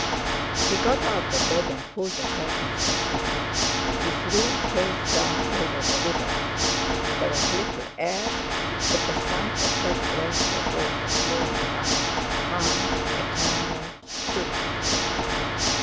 He got out of bed and pulled the curtains aside; his room faced down over the river. There was little air, but the sight of that breadth of water flowing by, calm, eternal, soothed him.